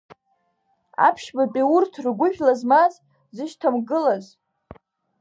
Аԥшьбатәи урҭ ргәыжәла змаз дзышьҭамгылаз?